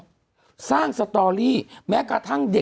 คุณหนุ่มกัญชัยได้เล่าใหญ่ใจความไปสักส่วนใหญ่แล้ว